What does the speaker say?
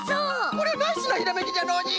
これナイスなひらめきじゃノージー。